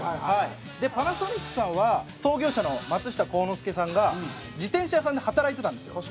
パナソニックさんは創業者の松下幸之助さんが自転車屋さんで働いてたんですよ。